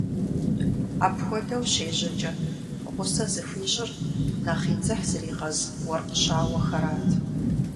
Апхуэдэу щежьэкӀэ гъусэ зыхуищӀыр нэхъ и дзыхь зригъэз уэркъ щауэхэрат.